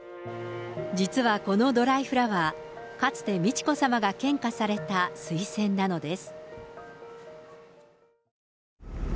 実はこのドライフラワー、かつて美智子さまが献花された水仙なのです。